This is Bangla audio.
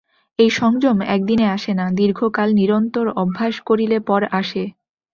এই সংযম একদিনে আসে না, দীর্ঘকাল নিরন্তর অভ্যাস করিলে পর আসে।